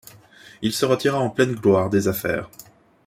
Il se retira en pleine gloire des affaires.